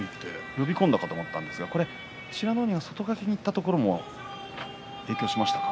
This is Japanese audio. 呼び込んだかと思ったんですが、美ノ海が外掛けにいったことも影響しましたか。